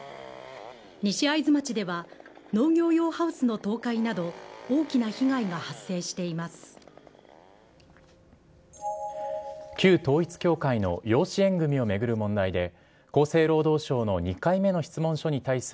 西会津町では農業用ハウスの倒壊など、大きな被害が発生しています。